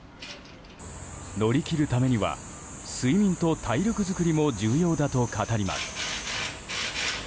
乗り切るためには睡眠と体力作りも重要だと語ります。